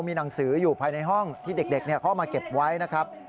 มีหนังสืออยู่ภายในห้องที่เด็กเขาเอามาเก็บไว้นะครับ